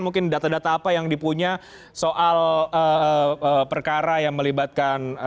mungkin data data apa yang dipunya soal perkara yang melibatkan